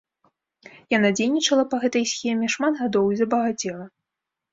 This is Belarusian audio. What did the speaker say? Яна дзейнічала па гэтай схеме шмат гадоў і забагацела.